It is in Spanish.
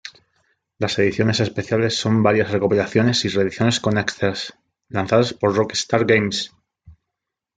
Las ediciones especiales son varias recopilaciones y reediciones con extras, lanzadas por Rockstar Games.